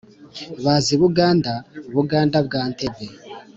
Baza i Buganda, Buganda bwa Ntebe :